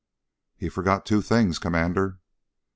"_He forgot two things, Commander....